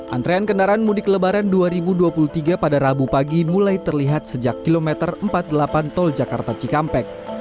antrean kendaraan mudik lebaran dua ribu dua puluh tiga pada rabu pagi mulai terlihat sejak kilometer empat puluh delapan tol jakarta cikampek